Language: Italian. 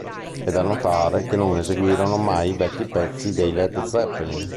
È da notare che non eseguirono mai vecchi pezzi dei Led Zeppelin.